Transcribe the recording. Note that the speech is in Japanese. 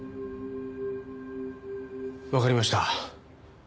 わかりました。